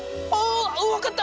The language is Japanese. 分かった。